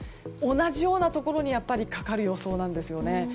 同じようなところにかかる予想なんですよね。